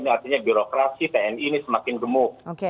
ini artinya birokrasi tni ini semakin gemuk